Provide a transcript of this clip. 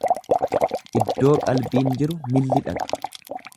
lddoo qalbiin jiru milli dhaqa.